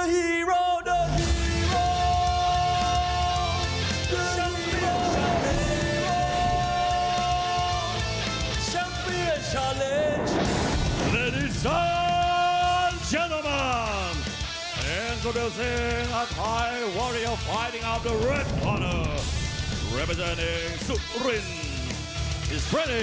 หลังมือ๒๘ปี